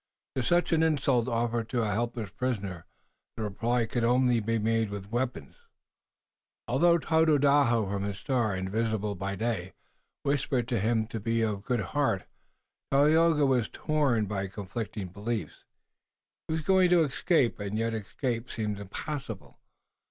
To such an insult offered to a helpless prisoner the reply could be made only with weapons. Although Tododaho from his star, invisible by day, whispered to him to be of good heart, Tayoga was torn by conflicting beliefs. He was going to escape, and yet escape seemed impossible.